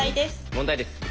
問題です。